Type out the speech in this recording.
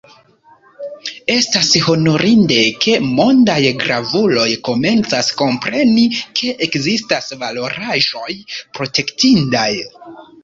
Estas honorinde, ke mondaj gravuloj komencas kompreni, ke ekzistas valoraĵoj protektindaj.